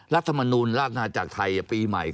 รัฐมนูลราชนาจักรไทยปีใหม่